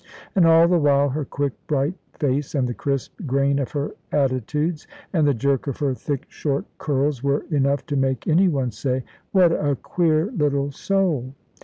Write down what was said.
And all the while her quick bright face, and the crisp grain of her attitudes, and the jerk of her thick short curls, were enough to make any one say, "What a queer little soul!"